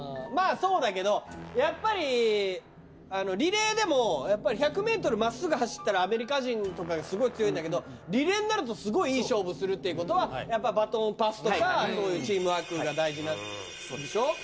まあそうだけどやっぱりリレーでも１００ｍ真っすぐ走ったらアメリカ人とかがすごい強いんだけどリレーになるとすごいいい勝負するってことはやっぱバトンパスとかそういうチームワークが大事でしょ？